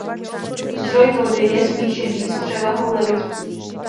Zdroj vody je smíšený s převahou ledovců.